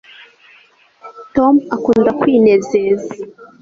tom akunda kwinezeza